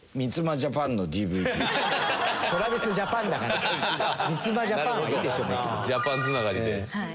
「ジャパン」つながりで。